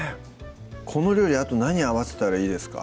この料理あと何合わせたらいいですか？